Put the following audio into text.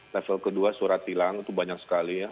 level kedua surat tilang itu banyak sekali ya